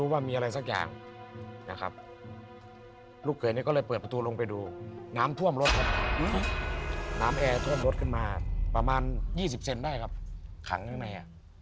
ประมาณ๒๐เซนต์ได้ครับขังข้างใน